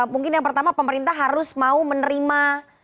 mungkin yang pertama pemerintah harus mau menerima